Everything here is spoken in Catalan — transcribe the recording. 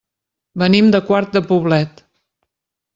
Venim de Quart de Poblet.